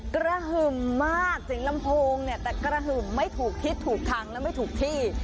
กระหึ่มมากถึงลำโพงเนี่ยแต่กระหึ่มไม่ถูกทิศถูกทางและไม่ถูกที่